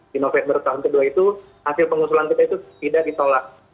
di november tahun kedua itu hasil pengusulan kita itu tidak ditolak